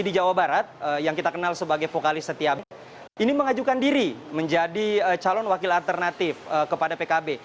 di jawa barat yang kita kenal sebagai vokalis setiap ini mengajukan diri menjadi calon wakil alternatif kepada pkb